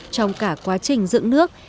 trong cả quá trình dựng nước